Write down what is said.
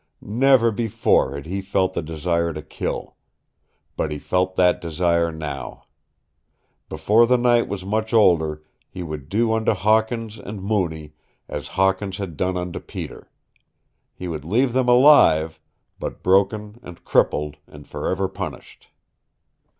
Never before had he felt the desire to kill. But he felt that desire now. Before the night was much older he would do unto Hawkins and Mooney as Hawkins had done unto Peter. He would leave them alive, but broken and crippled and forever punished.